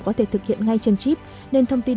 có thể thực hiện ngay trên chip nên thông tin